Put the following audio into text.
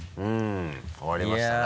終わりましたな。